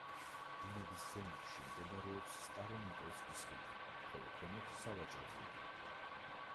დინების ზემოთში მდებარეობს სტარო-ნიკოლსკის ხიდი, ხოლო ქვემოთ სავაჭრო ხიდი.